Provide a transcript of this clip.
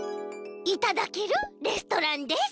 いただけるレストランです！